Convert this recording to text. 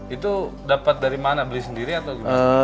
itu dapat dari mana beli sendiri atau gimana